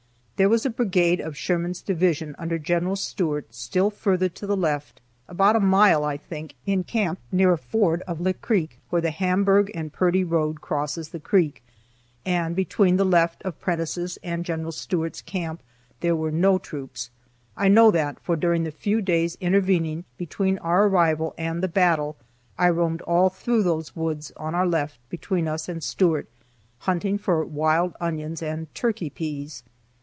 There was a brigade of Sherman's division under General Stuart still further to the left, about a mile, I think, in camp near a ford of Lick Creek, where the Hamburg and Purdy road crosses the creek; and between the left of Prentiss' and General Stuart's camp there were no troops. I know that, for during the few days intervening between our arrival and the battle I roamed all through those woods on our left, between us and Stuart, hunting for wild onions and "turkey peas."